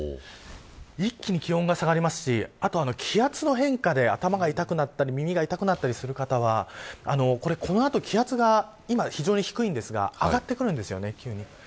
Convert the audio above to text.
一気に気温が下がりますしあとは、気圧の変化で頭が痛くなったり耳が痛くなったりする方はこの後、気圧が今非常に低いんですが上がってくるんです、急に。